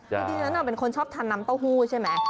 จริงเราเป็นคนชอบทานน้ำเต้าหู้ใช่ไหม